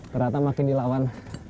ternyata makin dilawan